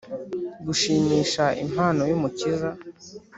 gushimisha impano y'umukiza.